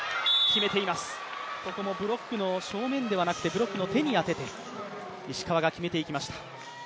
ブロックの正面ではなくてブロックの手に当てて、石川が決めていきました。